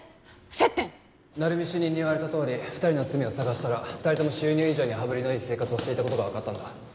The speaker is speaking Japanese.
鳴海主任に言われたとおり２人の罪を探したら２人とも収入以上に羽振りのいい生活をしていた事がわかったんだ。